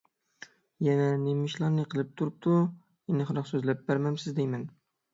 يەنە نېمە ئىشلارنى قىلىپ تۇرۇپتۇ؟ ئېنىقراق سۆزلەپ بەرمەمسىز دەيمەن!